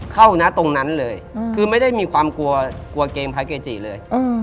เข้าหน้าตรงนั้นเลยคือไม่ได้มีความกลัวเกงพระอาจารย์เกจิเลย